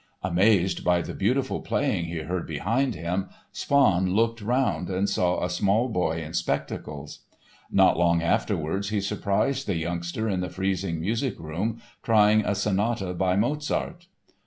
Amazed by the beautiful playing he heard behind him, Spaun looked around and saw "a small boy in spectacles." Not long afterwards he surprised the youngster in the freezing music room trying a sonata by Mozart.